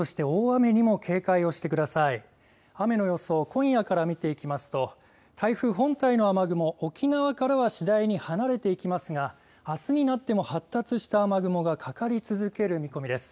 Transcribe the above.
雨の予想、今夜から見ていきますと台風本体の雨雲、沖縄からは次第に離れていきますが、あすになっても発達した雨雲がかかり続ける見込みです。